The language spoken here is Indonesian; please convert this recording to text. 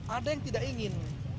ada yang tidak ingin